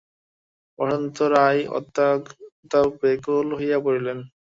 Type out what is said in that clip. বসন্ত রায় অত্যন্ত ব্যাকুল হইয়া পড়িলেন।